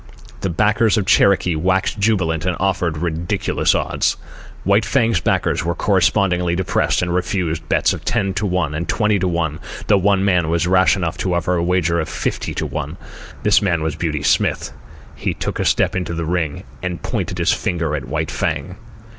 The backers of Cherokee waxed jubilant and offered ridiculous odds. White Fang's backers were correspondingly depressed, and refused bets of ten to one and twenty to one, though one man was rash enough to close a wager of fifty to one. This man was Beauty Smith. He took a step into the ring and pointed his finger at White Fang.